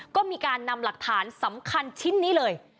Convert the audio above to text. ก็มีการนำหลักฐานสำคัญชิ้นนี้เลย